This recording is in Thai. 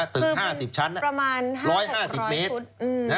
ตึก๕๐ชั้นประมาณ๑๕๐เมตร